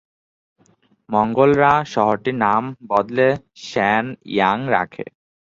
মঙ্গোলরা শহরটির নাম বদলে শেন-ইয়াং রাখে।